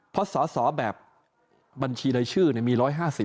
เพราะสอสอแบบบัญชีรายชื่อมี๑๕๐